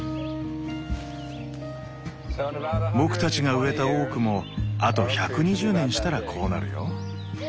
僕たちが植えたオークもあと１２０年したらこうなるよ。